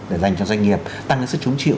để dành cho doanh nghiệp tăng cái sức trúng chịu